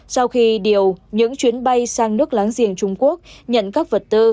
sau khi điều những chuyến bay sang nước láng giềng trung quốc nhận các vật tư